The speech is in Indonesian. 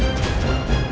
ketemu di kantor